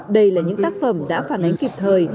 đây là những tác phẩm đã phản ánh kịp thời